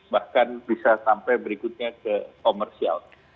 bahkan bisa sampai berikutnya ke komersial